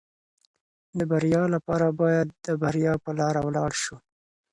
د بریا لپاره باید د بریا په لاره ولاړ شو.